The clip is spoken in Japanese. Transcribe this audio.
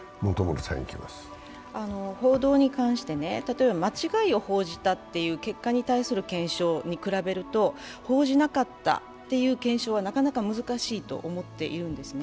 報道に関して間違いを報じたという検証に比べると報じなかったという検証はなかなか難しいと思っているわけですね。